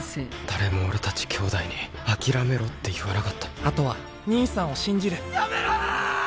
誰も俺達兄弟に「諦めろ」って言わなかったあとは兄さんを信じるやめろ！